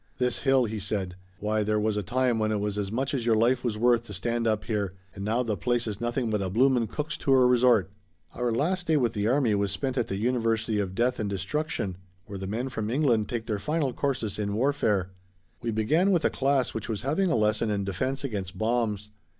"This hill!" he said. "Why there was a time when it was as much as your life was worth to stand up here and now the place's nothing but a bloomin' Cook's tour resort." Our last day with the army was spent at the University of Death and Destruction where the men from England take their final courses in warfare. We began with a class which was having a lesson in defense against bombs.